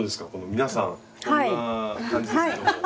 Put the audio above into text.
皆さんこんな感じですけども。